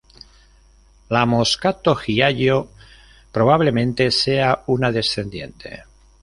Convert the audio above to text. La moscato giallo probablemente sea una descendiente.